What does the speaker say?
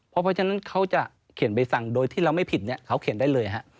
เพราะฉะนั้นเขาจะเขียนใบสั่งโดยที่เราไม่ผิดเนี่ยเขาเขียนได้เลยฮะ